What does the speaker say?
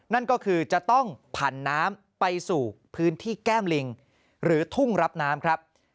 นั่นก็คือจะต้องผันน้ำไปสู่พื้นที่แก้มลิงหรือทุ่งรับน้ำครับ